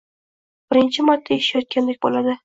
birinchi marta eshitayotgandek bo‘ladi.